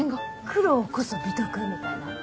「苦労こそ美徳」みたいな。